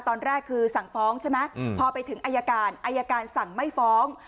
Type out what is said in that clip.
ตอนแรกคือสั่งฟ้องใช่ไหมพอไปถึงอายการอายการสั่งไม่ฟ้อง